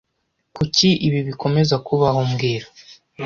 Kuki ibi bikomeza kubaho mbwira